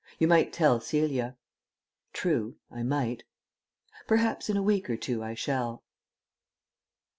You might tell Celia." True, I might.... Perhaps in a week or two I shall.